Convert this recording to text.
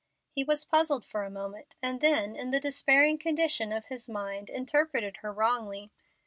He was puzzled for a moment, and then, in the despairing condition of his mind interpreted her wrongly.